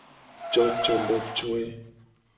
Cocodocoe.